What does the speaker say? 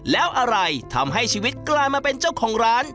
แล้วอะไรทำให้ชีวิตกลายมาเป็นเจ้าของร้าน